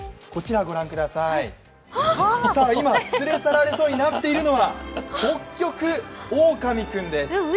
さぁ、今、連れ去られそうになっているのは、ホッキョクオオカミ君です。